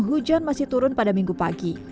hujan masih turun pada minggu pagi